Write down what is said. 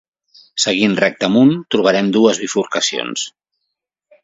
Seguint recte amunt, trobarem dues bifurcacions.